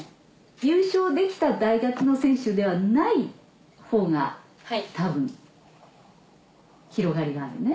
優勝できた大学の選手ではないほうが多分広がりがあるね。